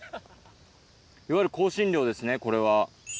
いわゆる香辛料ですね、これは。